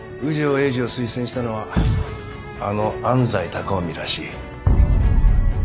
英二を推薦したのはあの安斎高臣らしい。